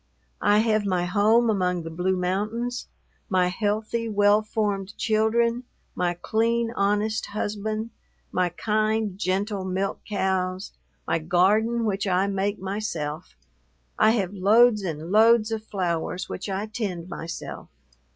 I have my home among the blue mountains, my healthy, well formed children, my clean, honest husband, my kind, gentle milk cows, my garden which I make myself. I have loads and loads of flowers which I tend myself.